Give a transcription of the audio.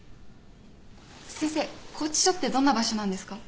先生拘置所ってどんな場所なんですか？